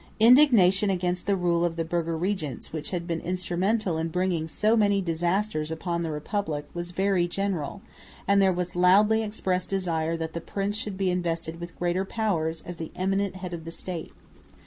Indignation against the rule of the burgher regents, which had been instrumental in bringing so many disasters upon the Republic, was very general; and there was a loudly expressed desire that the prince should be invested with greater powers, as the "eminent head" of the State.